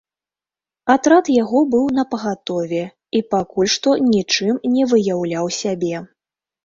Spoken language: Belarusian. Атрад яго быў напагатове і пакуль што нічым не выяўляў сябе.